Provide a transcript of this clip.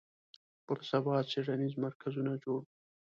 پر سبا څېړنیز مرکزونه جوړ وي